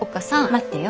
待ってよ。